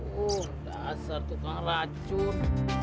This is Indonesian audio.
uh dasar tuh kak racun